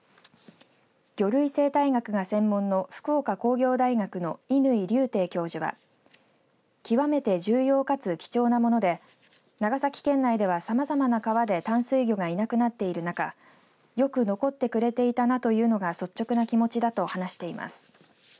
魚類生態学が専門の福岡工業大学の乾隆帝教授は極めて重要かつ貴重なもので長崎県内では、さまざまな川で淡水魚がいなくなっている中よく残ってくれていたなというのが率直な気持ちだと話しています。